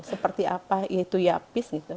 seperti apa itu yapis gitu